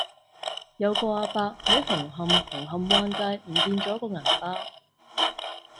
有個亞伯喺紅磡紅磡灣街唔見左個銀包